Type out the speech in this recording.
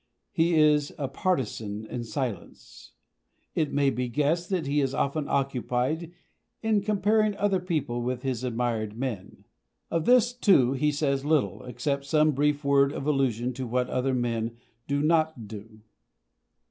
He is a partisan in silence. It may be guessed that he is often occupied in comparing other people with his admired men. Of this too he says little, except some brief word of allusion to what other men do not do.